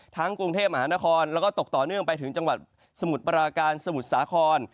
กรุงเทพมหานครแล้วก็ตกต่อเนื่องไปถึงจังหวัดสมุทรปราการสมุทรสาคร